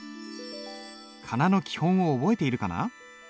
仮名の基本を覚えているかな？